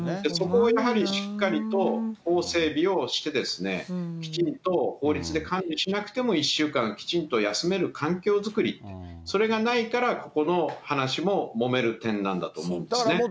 そこをやはり、しっかりと法整備をして、きちんと法律で管理しなくても、１週間きちんと休める環境作り、それがないからこの話ももめる点なんだと思うんですね。